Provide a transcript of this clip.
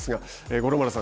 五郎丸さん